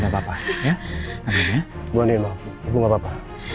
buat ndi ibu gak apa apa